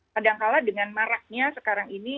kadangkala dengan maraknya sekarang ini